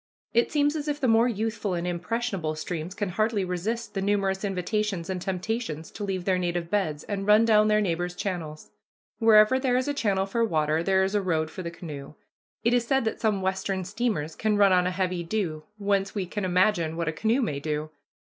It seems as if the more youthful and impressionable streams can hardly resist the numerous invitations and temptations to leave their native beds and run down their neighbors' channels. Wherever there is a channel for water there is a road for the canoe. It is said that some Western steamers can run on a heavy dew, whence we can imagine what a canoe may do.